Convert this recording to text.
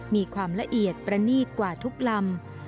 มีความละเอียดประณีตกว่าทุกลำ